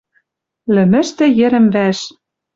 Лӹмӹштӹ йӹрӹм-вӓш